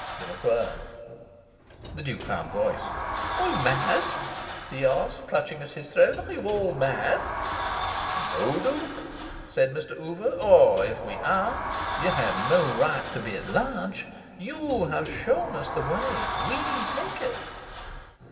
The MacQuern. The Duke found voice. "Are you mad?" he asked, clutching at his throat. "Are you all mad?" "No, Duke," said Mr. Oover. "Or, if we are, you have no right to be at large. You have shown us the way. We take it."